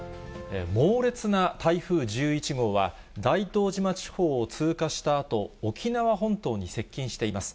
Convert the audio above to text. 猛烈な台風１１号は大東島地方を通過したあと、沖縄本島に接近しています。